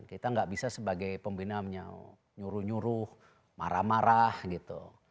kita nggak bisa sebagai pembina nyuruh nyuruh marah marah gitu